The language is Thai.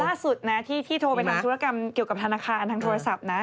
ล่าสุดนะที่โทรไปทำธุรกรรมเกี่ยวกับธนาคารทางโทรศัพท์นะ